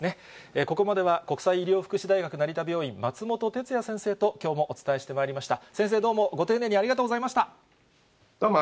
ここまでは、国際医療福祉大学成田病院、松本哲哉先生とお伝えしてまいりました。